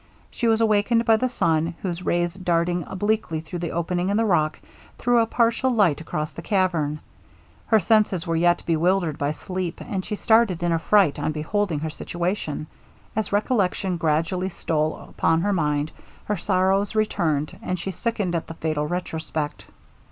She was awakened by the sun, whose rays darting obliquely through the opening in the rock, threw a partial light across the cavern. Her senses were yet bewildered by sleep, and she started in affright on beholding her situation; as recollection gradually stole upon her mind, her sorrows returned, and she sickened at the fatal retrospect.